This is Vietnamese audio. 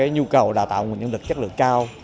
nhu cầu đào tạo nguồn nhân lực chất lượng cao